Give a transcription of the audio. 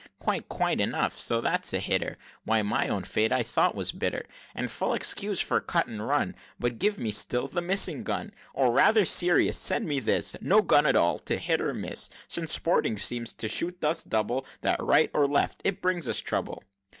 "Quite, quite, enough! So that's a hitter! Why, my own fate I thought was bitter, And full excuse for cut and run; But give me still the missing gun! Or rather, Sirius! send me this, No gun at all, to hit or miss, Since sporting seems to shoot thus double, That right or left it brings us trouble!"